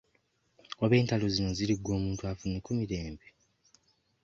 Oba entalo zino ziriggwa omuntu afune ku mirembe?